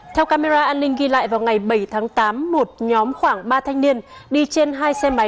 theo camera an ninh ghi lại vào ngày bảy tháng tám một nhóm khoảng ba thanh niên đi trên hai xe máy